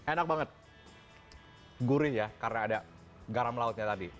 enak banget gurih ya karena ada garam lautnya tadi